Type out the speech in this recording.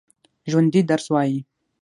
ژوندي درس وايي